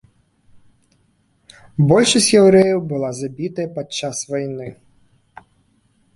Большасць яўрэяў была забітая пад час вайны.